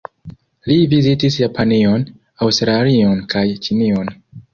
Li vizitis Japanion, Aŭstralion kaj Ĉinion.